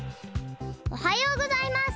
おはようございます。